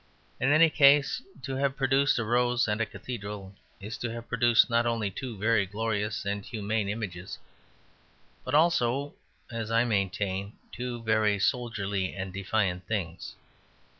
In any case, to have produced a rose and a cathedral is to have produced not only two very glorious and humane things, but also (as I maintain) two very soldierly and defiant things.